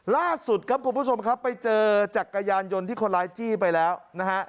ล่าสุดครับคุณผู้ชมครับไปเจอจักรยานยนต์ที่คนร้ายจี้ไปแล้วนะฮะ